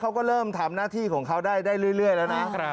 เขาก็เริ่มทำหน้าที่ของเขาได้เรื่อยแล้วนะ